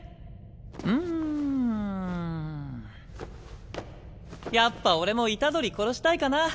うんやっぱ俺も虎杖殺したいかな。